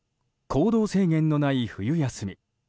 行動制限のない冬休み。